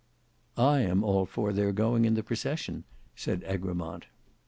"I am all for their going in the procession," said Egremont.